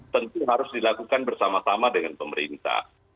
tentu harus dilakukan bersama sama dengan pemerintah